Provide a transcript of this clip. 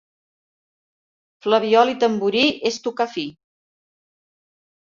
Flabiol i tamborí és tocar fi.